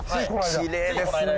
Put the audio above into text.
きれいですねえ